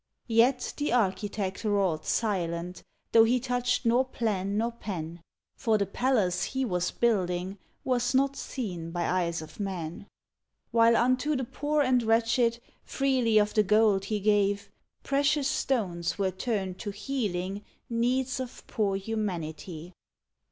Yet the architect wrought, silent, Though he touched nor plan nor pen; For the palace he was building Was not seen by eyes of men. While unto the poor and wretched Freely of the gold gave he; Precious stones were turned to healing Needs of poor humanity!